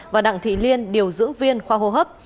và đặng thị liên điều dưỡng viên khoa hô hấp